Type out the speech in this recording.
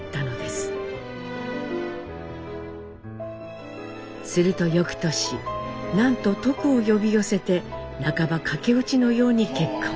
するとよくとしなんとトクを呼び寄せて半ば駆け落ちのように結婚。